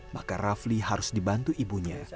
maka rafli harus dibantu ibunya